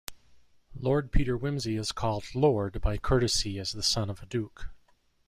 Lord Peter Wimsey is called "Lord" by courtesy as the son of a Duke.